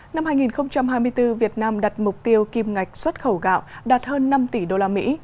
năm hai nghìn hai mươi bốn việt nam đặt mục tiêu kim ngạch xuất khẩu gạo đạt hơn năm tỷ usd